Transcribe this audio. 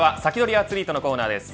アツリートのコーナーです。